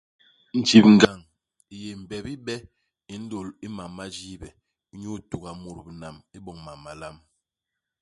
Njibngañ i yé mbebi ibe i nlôl i mam ma jiibe, inyu ituga mut binam iboñ mam malam.